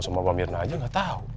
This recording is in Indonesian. sama pak mirna aja gak tau